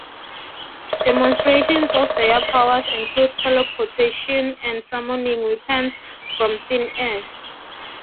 Demonstrations of their powers include teleportation and summoning weapons from thin air.